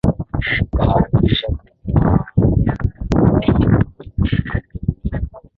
Ukaharakisha kumuoa kumbe ni Merimela.